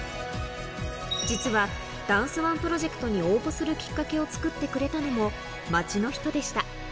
実は、ダンスＯＮＥプロジェクトに応募するきっかけを作ってくれたのも町の人でした。